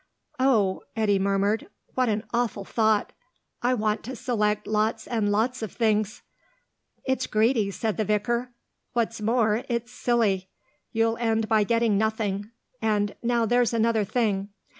"Oh," Eddy murmured, "what an awful thought! I want to select lots and lots of things!" "It's greedy," said the vicar. "What's more, it's silly. You'll end by getting nothing.... And now there's another thing.